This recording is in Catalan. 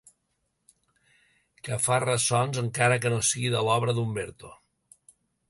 Que fa ressons, encara que no sigui de l'obra d'Umberto.